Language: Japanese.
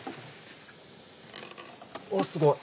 おっすごい。